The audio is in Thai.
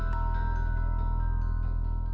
โปรดติดตามตอนต่อไป